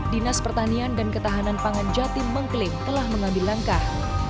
dinas pertanian dan ketahanan pangan jatim mengklaim telah mengambil langkah